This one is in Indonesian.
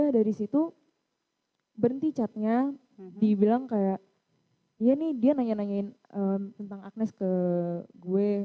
dari situ berhenti catnya dibilang kayak ya nih dia nanya nanyain tentang agnes ke gue